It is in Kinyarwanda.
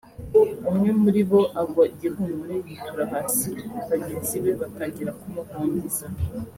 umwe muri bo agwa igihumure yitura hasi bagenzi be batangira kumuhungiza